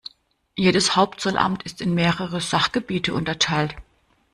Jedes Hauptzollamt ist in mehrere Sachgebiete unterteilt.